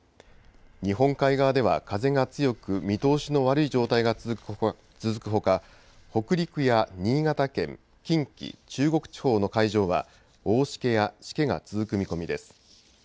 日本海側では風が強く見通しの悪い状態が続くほか北陸や新潟県、近畿、中国地方の海上は大しけや、しけが続く見込みです。